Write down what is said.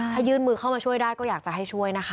ถ้ายื่นมือเข้ามาช่วยได้ก็อยากจะให้ช่วยนะคะ